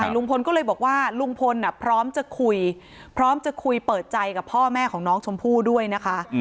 ลุงพลก็เลยบอกว่าลุงพลพร้อมจะคุยพร้อมจะคุยเปิดใจกับพ่อแม่ของน้องชมพู่ด้วยนะคะ